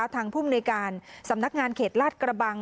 ทางผู้มนิการสำนักงานเขตลาดกระบัง